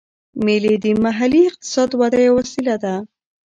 مېلې د محلي اقتصاد وده یوه وسیله ده.